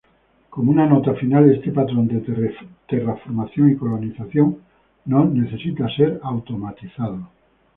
Como una nota final, este patrón de terraformación y colonización no necesita ser "automatizado".